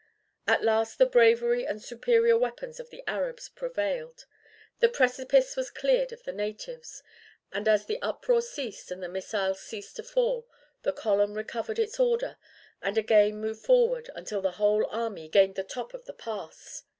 At last the bravery and superior weapons of the Arabs prevailed. The precipice was cleared of the natives, and as the uproar ceased and the missiles ceased to fall, the column recovered its order, and again moved forward until the whole army gained the top of the pass.